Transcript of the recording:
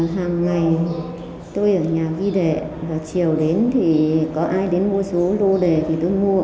hàng ngày tôi ở nhà vi đệ và chiều đến thì có ai đến mua số lô đề thì tôi mua